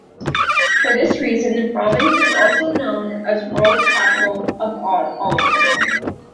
For this reason the province is also known as "World Capital of Olive Oil".